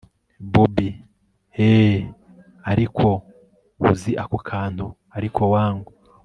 bobi eeeeeh! ariko uziko ako kantu ariko wangu